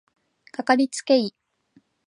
かかりつけ医